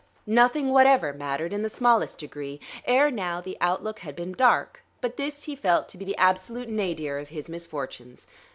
Nothing whatever mattered in the smallest degree. Ere now the outlook had been dark; but this he felt to be the absolute nadir of his misfortunes.